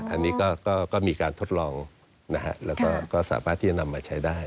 อันนี้ก็มีการทดลองนะฮะแล้วก็สามารถที่จะนำมาใช้ได้